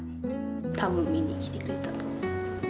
たぶん見にきてくれたと思う。